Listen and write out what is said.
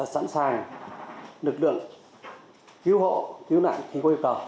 sẵn sàng lực lượng cứu hộ cứu nạn khi có yêu cầu